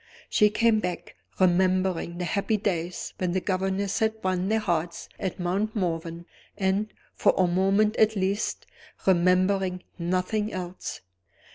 She came back; remembering the happy days when the governess had won their hearts at Mount Morven, and, for a moment at least, remembering nothing else.